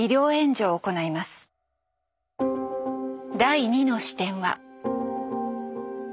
第２の視点は。